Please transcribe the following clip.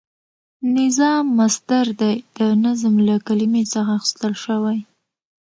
نظام مصدر دی د نظم له کلمی څخه اخیستل شوی،